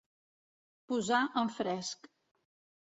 Posar en fresc.